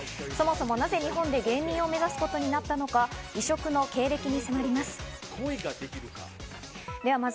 なぜ日本で芸人を目指すことになったのか異色の経歴に迫ります。